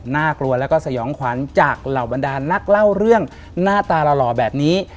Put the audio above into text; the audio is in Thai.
น่ากลัวแล้วก็สยองขวัญจากเหล่าบรรดานนักเล่าเรื่องหน้าตาหล่อแบบนี้